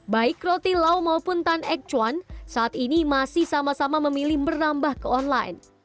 baik roti lau maupun tan ek cuan saat ini masih sama sama memilih merambah ke online